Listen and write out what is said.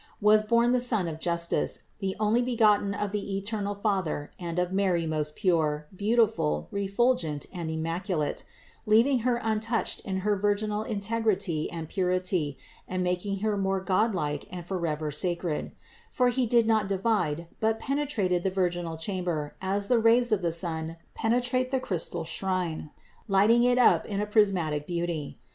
473), was born the Sun of Justice, the Onlybegotten of the eternal Father and of Mary most pure, beautiful, refulgent and immaculate, leaving Her untouched in her virginal integrity and purity and making Her more god like and forever sacred ; for He did not divide, but pene trated the virginal chamber as the rays of the sun pene trate the crystal shrine, lighting it up in prismatic beauty.